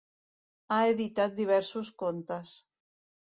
Ha editat diversos contes.